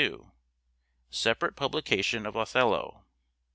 Separate publication of " Othello."